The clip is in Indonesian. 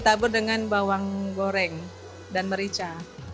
ditabur dengan bawang goreng dan merica